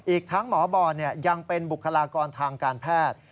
อีกทั้งหมอบอลยังเป็นบุคลากรทางการแพทย์